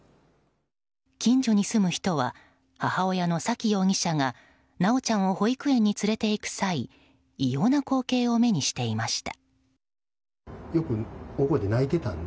近所に住む人は母親の沙喜容疑者が修ちゃんを保育園に連れていく際異様な光景を目にしていました。